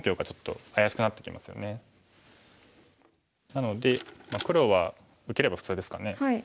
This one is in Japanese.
なので黒は受ければ普通ですかね。